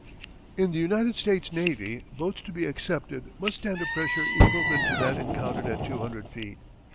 In the United States Navy boats to be accepted must stand a pressure equivalent to that encountered at 200 feet.